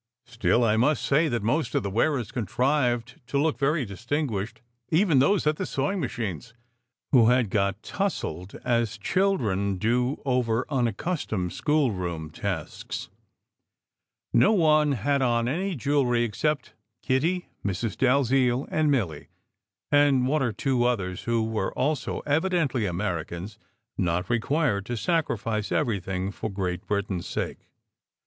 Still, I must say that most of the wearers contrived to look very distinguished, even those at the sewing machines, who had got tousled as children do over unaccustomed schoolroom tasks. No SECRET HISTORY 257 one had on any jewellery except Kitty, Mrs. Dalziel, and Milly, and one or two others who were also evidently Americans not required to sacrifice everything for Great Britain s sake.